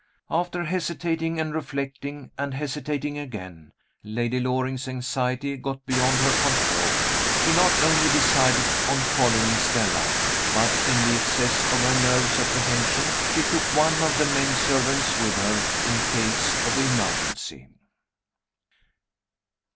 After hesitating and reflecting, and hesitating again, Lady Loring's anxiety got beyond her control. She not only decided on following Stella, but, in the excess of her nervous apprehension, she took one of the men servants with her, in case of emergency!